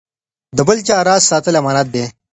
د بل چا راز ساتل امانت دی.